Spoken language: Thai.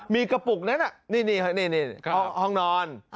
มีกระปุกนั้นนี่นี่นี่นี่ห้องนอน